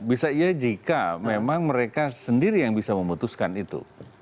bisa iya jika memang mereka sendiri yang bisa memutuskan itu